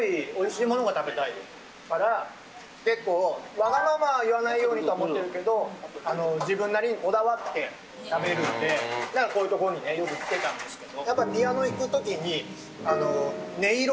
わがまま言わないようにとは思ってるけど自分なりにこだわって食べるのでだから、こういうところによく来ていたんですけど。